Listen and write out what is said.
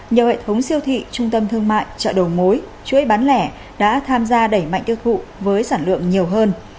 nhiều hệ thống siêu thị trung tâm thương mại chợ đầu mối chuỗi bán lẻ đã tham gia đẩy mạnh tiêu thụ với sản lượng nhiều hơn